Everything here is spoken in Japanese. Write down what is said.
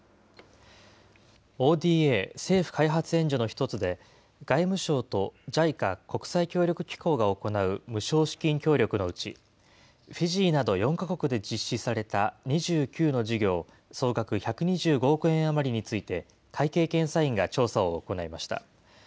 ＯＤＡ・政府開発援助の１つで、外務省とＪＩＣＡ・国際協力機構が行う無償資金協力のうち、フィジーなど４か国で実施された２９の事業、総額１２５億円余りについて、会計検査院が調査を行いました。